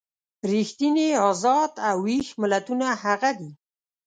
ریښتیني ازاد او ویښ ملتونه هغه دي.